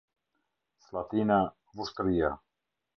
Sllatina, Vushtrria